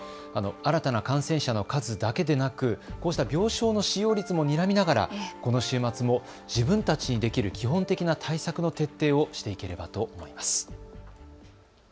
新たな感染者の数だけでなく、こうした病床の使用率もにらみながらこの週末も自分たちにできる基本的な対策の徹底をしていければと思います。